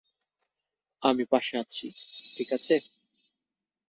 আমি পাশে আছি, ঠিক আছে?